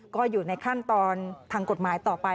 ก็อยู่ในขั้นตอนทางกฎหมายต่อไป